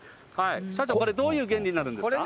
社長、これ、どういう原理になるんですか。